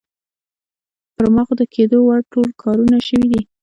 پر ما خو د کېدو وړ ټول کارونه شوي دي.